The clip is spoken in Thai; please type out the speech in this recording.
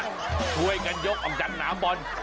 ช่วยกันยกออกจากหนามบอล